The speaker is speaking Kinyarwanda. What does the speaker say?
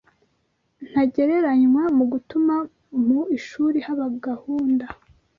ntagereranywa mu gutuma mu ishuri haba gahunda